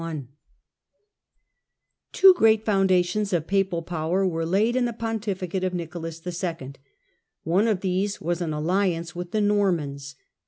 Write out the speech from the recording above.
J Two great foundations of papal power were laid in the pontificate of Nicolas II. One of these was an alliance with the Normans.